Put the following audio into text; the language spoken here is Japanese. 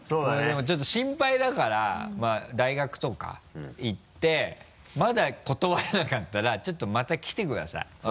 でもちょっと心配だから大学とか行ってまだ断れなかったらちょっとまた来てください。